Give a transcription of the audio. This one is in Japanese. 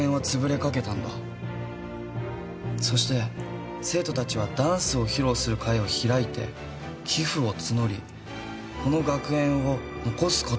そして生徒たちはダンスを披露する会を開いて寄付を募りこの学園を残すことができた。